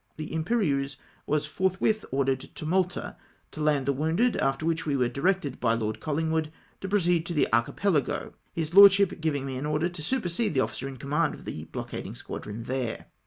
The Imperieuse was forthwith ordered to Malta, to land the wounded, after which we were directed by Lord Colhngwood to proceed to the Archipelago, his LordshijD giving me an order to supersede the officer in command of the blockading squadron there.